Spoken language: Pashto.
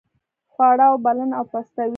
خواړه اوبلن او پستوي.